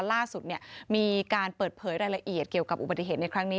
ล่าสุดมีการเปิดเผยรายละเอียดเกี่ยวกับอุบัติเหตุในครั้งนี้